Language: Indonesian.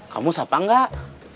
kamu sapa enggak